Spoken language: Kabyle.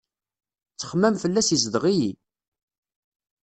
Ttaxmam fell-as izdeɣ-iyi.